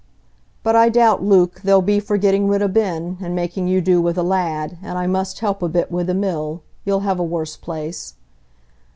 "But I doubt, Luke, they'll be for getting rid o' Ben, and making you do with a lad; and I must help a bit wi' the mill. You'll have a worse place."